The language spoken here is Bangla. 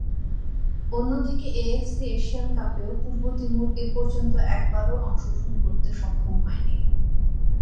অন্যদিকে, এএফসি এশিয়ান কাপেও পূর্ব তিমুর এপর্যন্ত একবারও অংশগ্রহণ করতে সক্ষম হয়নি।